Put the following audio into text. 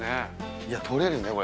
いや、撮れるね、これ。